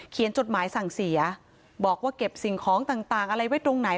จดหมายสั่งเสียบอกว่าเก็บสิ่งของต่างอะไรไว้ตรงไหน